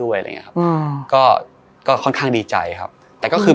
เหมือนกันค่ะครับก็ค่อนข้างดีใจครับแต่ก็คือ